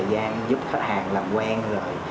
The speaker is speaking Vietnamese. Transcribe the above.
thời gian giúp khách hàng làm quen rồi